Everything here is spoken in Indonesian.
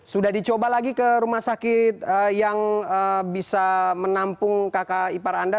sudah dicoba lagi ke rumah sakit yang bisa menampung kakak ipar anda